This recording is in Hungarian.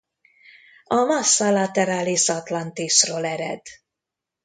A massa lateralis atlantisról ered.